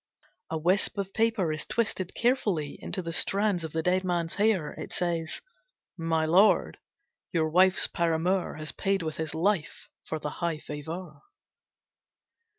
A wisp of paper is twisted carefully into the strands of the dead man's hair. It says, "My Lord: Your wife's paramour has paid with his life for the high favour."